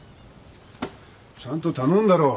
ちゃんと頼んだろ。